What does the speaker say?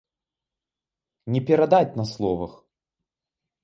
Не перадаць на словах!